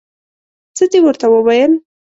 څه دې ورته وویل؟